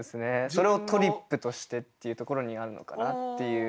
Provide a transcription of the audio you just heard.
それを「トリップとして」っていうところにあるのかなっていう。